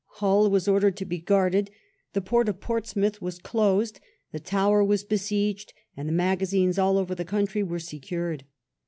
Hull was ordered to be guarded, the port of Portsmouth was closed, the Tower was besieged, and the magazines all over the country were secured.